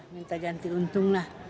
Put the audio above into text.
minta ganti untung lah